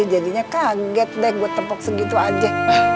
jadinya kaget deh buat tepuk segitu aja